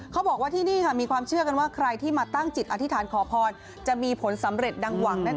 เขาบอกว่าที่นี่ค่ะมีความเชื่อกันว่าใครที่มาตั้งจิตอธิษฐานขอพรจะมีผลสำเร็จดังหวังนั่นเอง